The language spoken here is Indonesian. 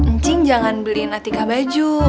ncing jangan beliin atika baju